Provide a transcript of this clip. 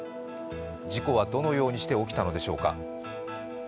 事故はどのようにして起きたのでしょうか。